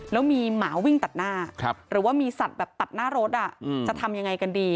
แล้วมีหมาวิ่งตัดหน้าหรือว่ามีสัตว์แบบตัดหน้ารถจะทำยังไงกันดี